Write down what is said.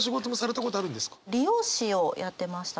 理容師をやってました。